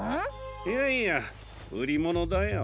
いやいやうりものだよ。